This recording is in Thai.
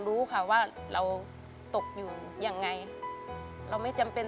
คุณหมอบอกว่าเอาไปพักฟื้นที่บ้านได้แล้ว